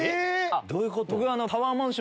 ⁉どういうこと？